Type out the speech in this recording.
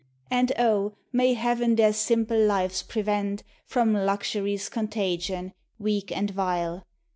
And, O, may Heaven their simple lives prevent From luxury's contagion, weak and vile!